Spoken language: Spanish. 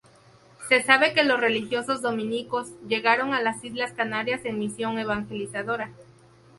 Se sabe que los religiosos Dominicos llegaron a las Islas Canarias en misión evangelizadora.